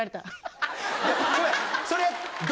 それ。